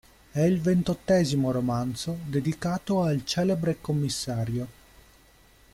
È il ventottesimo romanzo dedicato al celebre commissario.